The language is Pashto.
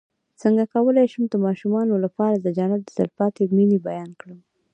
څنګه کولی شم د ماشومانو لپاره د جنت د تل پاتې مینې بیان کړم